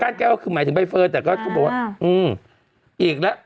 ก้านแก้วคือหมายถึงไปเฟิร์นแต่ก็ใครบอกว่าอื้ออีกหรืออะไร